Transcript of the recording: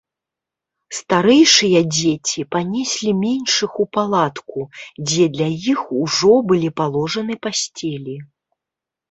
Старэйшыя дзеці панеслі меншых у палатку, дзе для іх ужо былі паложаны пасцелі.